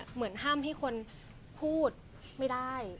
เหมือนห้ามให้คนพูดไม่ได้